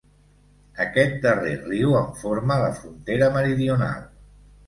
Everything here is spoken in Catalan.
Aquest darrer riu en forma la frontera meridional.